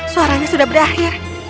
suaranya sudah berakhir